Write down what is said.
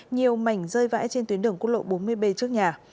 nhiều mảnh rơi vãi trên tuyến đường quốc lộ bốn mươi b trước nhà